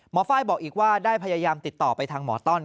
ไฟล์บอกอีกว่าได้พยายามติดต่อไปทางหมอต้อน